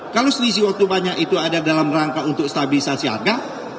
kalau selisih waktu banyak itu ada dalam rangka untuk stabilisasi harga